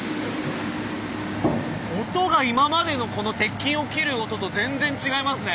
音が今までのこの鉄筋を切る音と全然違いますね。